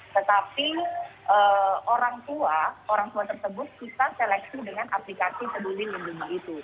tetapi orang tua orang tua tersebut bisa seleksi dengan aplikasi peduli lindungi itu